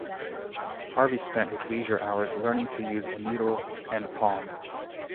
Harvey spent his leisure hours learning to use a needle and palm.